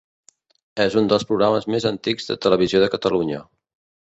És un dels programes més antics de Televisió de Catalunya.